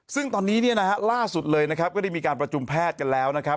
ซึ่งตอนนี้เนี่ยนะฮะล่าสุดเลยนะครับก็ได้มีการประชุมแพทย์กันแล้วนะครับ